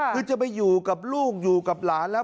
คือจะไปอยู่กับลูกอยู่กับหลานแล้ว